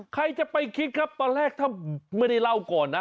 ใครจะไปคิดครับตอนแรกถ้าไม่ได้เล่าก่อนนะ